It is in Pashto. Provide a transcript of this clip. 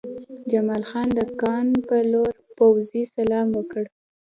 جمال خان د کان په لور پوځي سلام وکړ